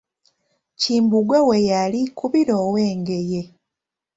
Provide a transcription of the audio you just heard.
Kimbugwe we yali Kubira ow'Engeye.